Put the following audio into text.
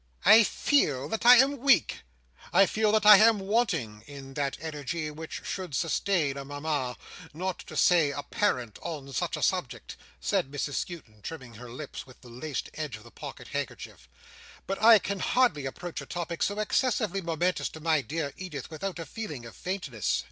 "I feel that I am weak. I feel that I am wanting in that energy, which should sustain a Mama: not to say a parent: on such a subject," said Mrs Skewton, trimming her lips with the laced edge of her pocket handkerchief; "but I can hardly approach a topic so excessively momentous to my dearest Edith without a feeling of faintness.